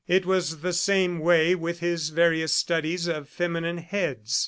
It was the same way with his various studies of feminine heads.